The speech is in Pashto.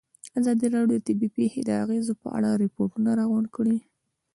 ازادي راډیو د طبیعي پېښې د اغېزو په اړه ریپوټونه راغونډ کړي.